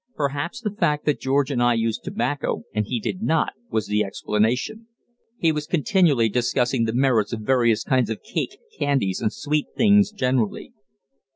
Perhaps the fact that George and I used tobacco and he did not, was the explanation. He was continually discussing the merits of various kinds of cake, candies, and sweet things generally.